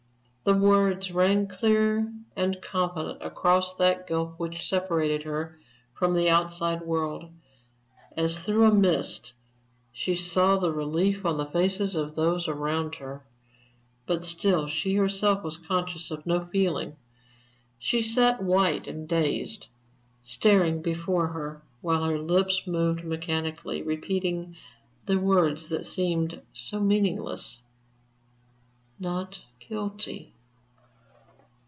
_" The words rang clear and confident, across that gulf which separated her from the outside world. As through a mist she saw the relief on the faces of those around her, but still she herself was conscious of no feeling. She still sat white and dazed, staring before her, while her lips moved mechanically, repeating the words that seemed so meaningless: "_Not Guilty.